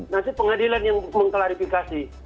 nanti pengadilan yang mengklarifikasi